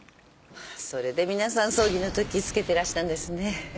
それで皆さん葬儀のとき着けてらしたんですね。